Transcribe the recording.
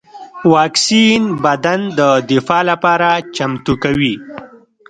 واکسین بدن د دفاع لپاره چمتو کوي